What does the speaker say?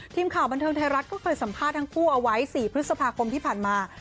ทีมข่าวบันเทิงไทยรัฐก็เคยสัมภาษณ์ทั้งคู่เอาไว้๔พฤษภาคมที่ผ่านมา